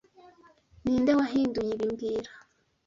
Ninde wahinduye ibi mbwira